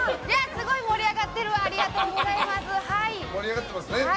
すごい、盛り上がってるわありがとうございます。